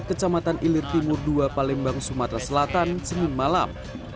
kecamatan ilir timur dua palembang sumatera selatan senin malam